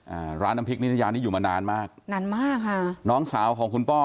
อ่าร้านน้ำพริกนิตยานี่อยู่มานานมากนานมากค่ะน้องสาวของคุณป้อ